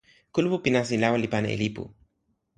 kulupu pi nasin lawa li pana e lipu.